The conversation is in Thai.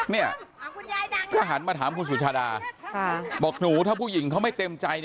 นี่มาถามคุณสุชาดาบอกหนูถ้าผู้หญิงไม่เต็มใจ